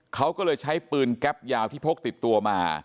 เขาก็เลยใช้ปืนแก๊ปยาวที่พกติดตัวมา